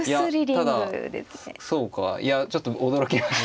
いやただそうかいやちょっと驚きました。